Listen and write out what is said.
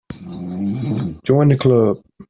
Join the Club.